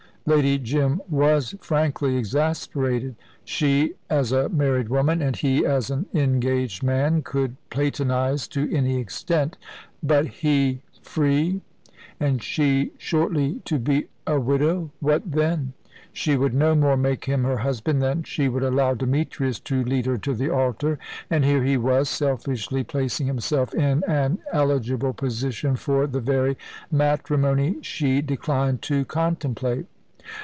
Lady Jim was frankly exasperated. She as a married woman, and he as an engaged man, could platonise to any extent; but he free, and she shortly to be a widow what then? She would no more make him her husband than she would allow Demetrius to lead her to the altar. And here he was, selfishly placing himself in an eligible position for the very matrimony she declined to contemplate.